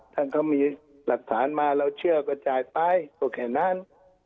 ท่านเขามีหลักฐานมาเราเชื่อก็จ่ายไปก็แค่นั้น